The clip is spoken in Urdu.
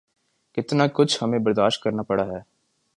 کتنا کچھ ہمیں برداشت کرنا پڑا ہے۔